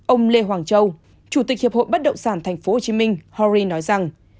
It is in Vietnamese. ông lê hoàng châu chủ tịch hiệp hội bất động sản tp hcm hori nói rằng